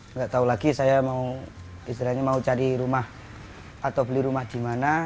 nggak tahu lagi saya mau istilahnya mau cari rumah atau beli rumah di mana